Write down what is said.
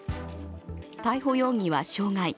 逮捕容疑は傷害。